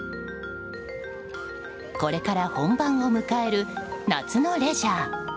これから本番を迎える夏のレジャー。